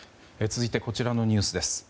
続いてこちらのニュースです。